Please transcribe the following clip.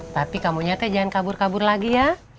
tapi kamu nyata jangan kabur kabur lagi ya